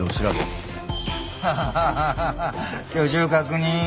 ハハハハッ居住確認。